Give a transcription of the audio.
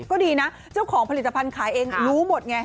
ก็ดีนะเจ้าของผลิตภัณฑ์ขายเองรู้หมดไง